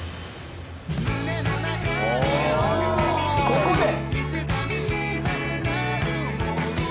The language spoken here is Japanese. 「ここで」